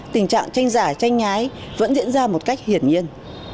tình trạng tranh giả tranh nhái vẫn diễn ra một cách hiển nhiên